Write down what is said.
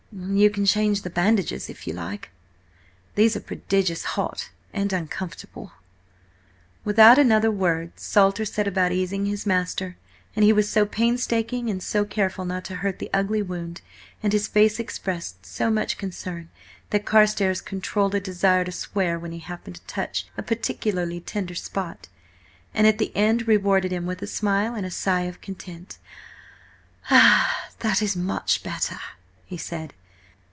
"You can change the bandages, if you like. These are prodigious hot and uncomfortable." Without another word Salter set about easing his master, and he was so painstaking and so careful not to hurt the ugly wound, and his face expressed so much concern, that Carstares controlled a desire to swear when he happened to touch a particularly tender spot, and at the end rewarded him with a smile and a sigh of content. "That is much better," he said.